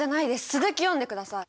続き読んでください！